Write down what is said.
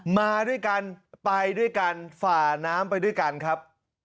มาด้วยกันไปด้วยกันฝ่าน้ำไปด้วยกันครับ